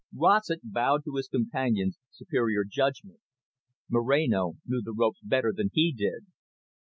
Rossett bowed to his companion's superior judgment. Moreno knew the ropes better than he did.